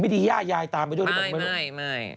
ไม่ได้ย่ายายตามไปด้วยไม่